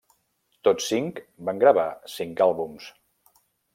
Tots cinc van gravar cinc àlbums.